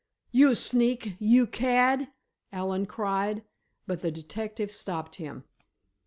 "You sneak, you cad!" Allen cried, but the detective stopped him.